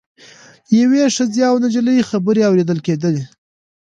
یوې ښځې او نجلۍ خبرې اوریدل کیدې.